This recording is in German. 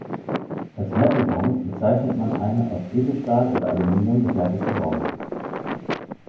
Als Metall-Bong bezeichnet man eine aus Edelstahl oder Aluminium gefertigte Bong.